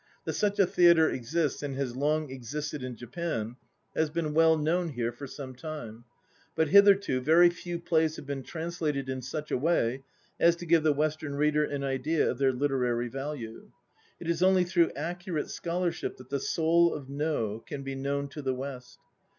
That such a theatre exists and has long existed in Japan has been well known here for some time. But hitherto very few plays have been translated in such a way as to give the Western reader an idea of their literary value. It is only through accurate scholarship that the "soul of No" can be known to the West.